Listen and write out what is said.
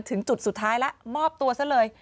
ถึงจุดสุดท้ายแล้วมอบตัวซะเลย